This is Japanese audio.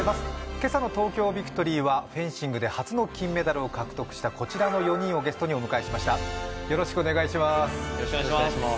今朝の「東京ＶＩＣＴＯＲＹ」はフェンシングで初の金メダルを獲得したこちらの４人をゲストにお迎えしましたよろしくお願いします